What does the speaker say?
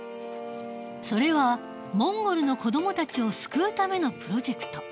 それはモンゴルの子どもたちを救うためのプロジェクト。